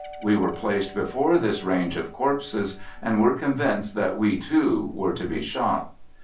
We were placed before this range of corpses, and were convinced that we too were to be shot.